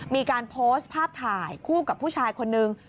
มีการโพสต์ภาพถ่ายคู่กับผู้ชายคนนึง